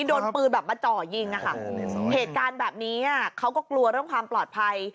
โดนปืนแบบมาเจาะยิงอะค่ะเหตุการณ์แบบนี้เขาก็กลัวเรื่องความปลอดภัย